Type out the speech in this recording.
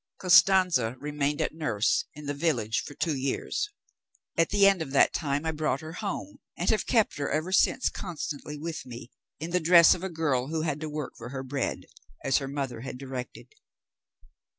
"Costanza remained at nurse in the village for two years. At the end of that time I brought her home, and have kept her ever since constantly with me, in the dress of a girl who had to work for her bread, as her mother directed.